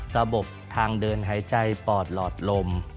ระบบทางเดินหายใจปอดหลอดลม